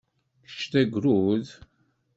Kečč d agrud?